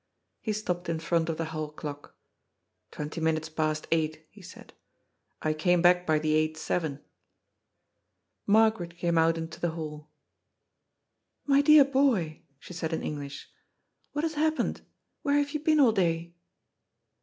He stopped in front of the hall clock. " Twenty minutes past eight," he said. " I came back by the 8.7." Margaret came out into the hall. " My dear boy," she said in English, " what has happened ? Where have you been all day